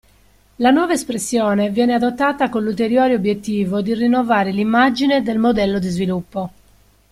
La nuova espressione viene adottata con l'ulteriore obiettivo di rinnovare l'immagine del modello di sviluppo.